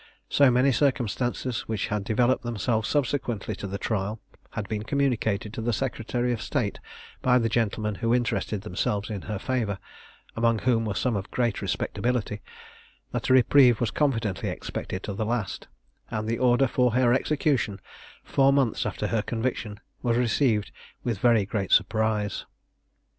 So many circumstances, which had developed themselves subsequently to the trial, had been communicated to the secretary of state by the gentlemen who interested themselves in her favour (among whom were some of great respectability), that a reprieve was confidently expected to the last: and the order for her execution, four months after her conviction, was received with very great surprise.